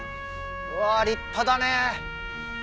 うわ立派だね。